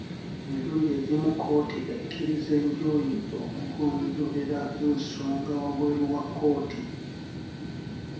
Emirundi egimu kkooti ekkiriza enjuyi okugonjoolera ensonga wabweru wa kkooti.